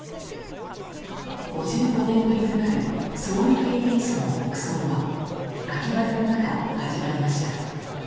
５５年ぶりとなる総理経験者の国葬は秋晴れの中、始まりました。